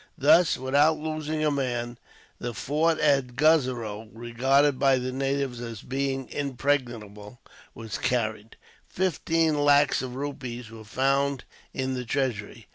Thus, without losing a man, the fort of Guzarow, regarded by the natives as being impregnable, was carried. Fifteen lacs of rupees were found in the treasury.